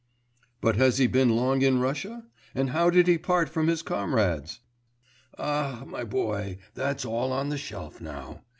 'But has he been long in Russia? and how did he part from his comrades?' 'Ah, my boy, that's all on the shelf now....